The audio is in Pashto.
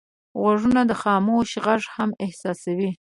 غوږونه د خاموش غږ هم احساسوي